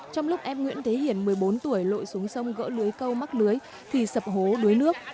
trong lúc em nguyễn thế hiển một mươi bốn tuổi lội xuống sông gỡ lưới câu mắc lưới thì sập hố đuối nước